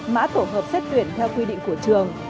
mã tổ hợp xét tuyển theo quy định của trường